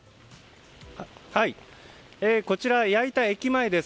こちら、矢板駅前です。